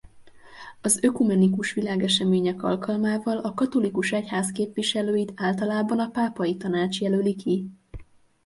Az ökumenikus világesemények alkalmával a katolikus egyház képviselőit általában a Pápai Tanács jelöli ki.